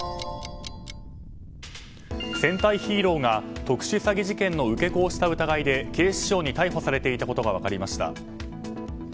戦隊ヒーローが特殊詐欺事件の受け子をした疑いで警視庁に逮捕されていたことが分かりました。